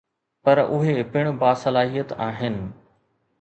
پر اهي پڻ باصلاحيت آهن.